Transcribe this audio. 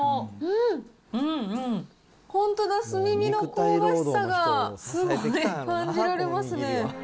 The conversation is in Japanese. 本当だ、炭火の香ばしさがすごい感じられますね。